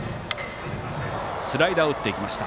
スライダーを打っていきました。